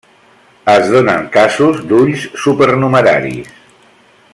Es donen casos d'ulls supernumeraris.